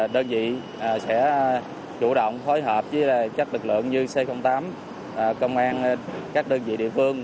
đơn vị sẽ chủ động phối hợp với các lực lượng như c tám công an các đơn vị địa phương